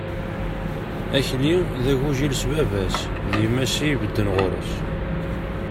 Akli d agujil s baba-s, d yemma-s i ibedden ɣur-s.